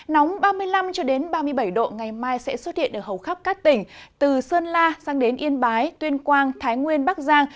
nóng ba mươi năm ba mươi bảy độ ngày mai sẽ xuất hiện ở hầu khắp các tỉnh từ sơn la sang đến yên bái tuyên quang thái nguyên bắc giang